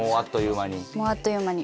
もうあっという間に？